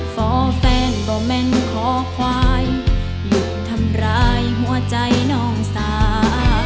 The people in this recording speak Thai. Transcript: เพราะแฟนบ่อแม่นขอควายอย่าทำร้ายหัวใจน้องสา